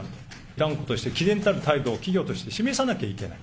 断固として、毅然たる態度を企業として示さなきゃいけない。